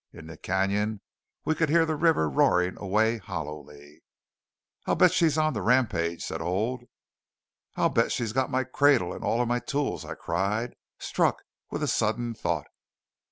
In the cañon we could hear the river roaring away hollowly. "I'll bet she's on the rampage!" said Old. "I'll bet she's got my cradle and all of my tools!" I cried, struck with a sudden thought.